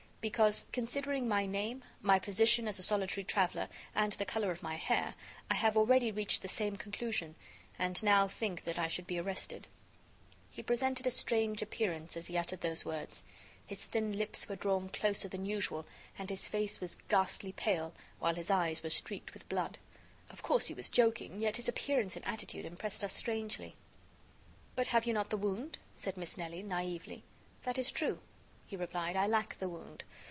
"Because, considering my name, my position as a solitary traveler and the color of my hair, I have already reached the same conclusion, and now think that I should be arrested." He presented a strange appearance as he uttered these words. His thin lips were drawn closer than usual and his face was ghastly pale, whilst his eyes were streaked with blood. Of course, he was joking, yet his appearance and attitude impressed us strangely. "But you have not the wound?" said Miss Nelly, naively. "That is true," he replied, "I lack the wound."